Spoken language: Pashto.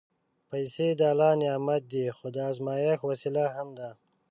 پېسې د الله نعمت دی، خو د ازمېښت وسیله هم ده.